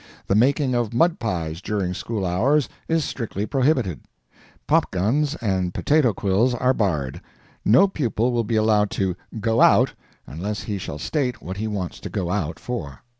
The making of mud pies during school hours is strictly prohibited. Pop guns and potato quills are barred. No pupil will be allowed to "go out," unless he shall state what he wants to go out for.